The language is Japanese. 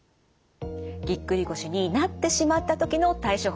ぎっくり腰になってしまった時の対処法